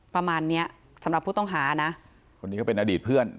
ประมาณเนี้ยสำหรับผู้ต้องหานะคนนี้ก็เป็นอดีตเพื่อน